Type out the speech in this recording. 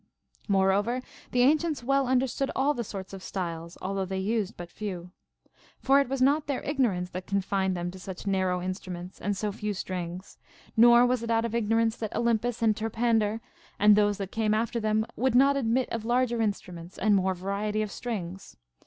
18. Moreover, the ancients well understood all the sorts of styles, although they used but few. For it was not their ignorance that confined them to such narrow instruments and so few strings ; nor was it out of ignorance that Olym pus and Terpander and those that came after them would not admit of larger instruments and more variety of strings.